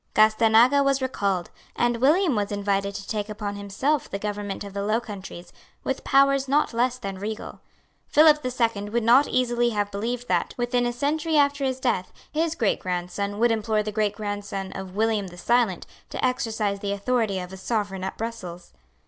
Gastanaga was recalled; and William was invited to take upon himself the government of the Low Countries, with powers not less than regal. Philip the Second would not easily have believed that, within a century after his death, his greatgrandson would implore the greatgrandson of William the Silent to exercise the authority of a sovereign at Brussels.